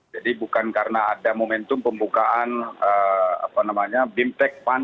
jadi bukan karena ada momentum pembukaan bimpeg pan